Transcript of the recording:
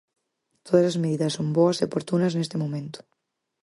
Todas as medidas son boas e oportunas neste momento.